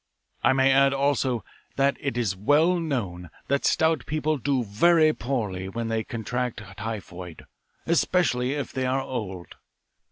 I may add, also, that it is well known that stout people do very poorly when they contract typhoid, especially if they are old.